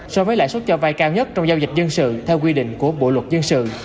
so với lãi suất cho vai cao nhất trong giao dịch dân sự theo quy định của bộ luật dân sự